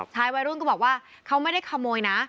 วัยรุ่นก็บอกว่าเขาไม่ได้ขโมยนะ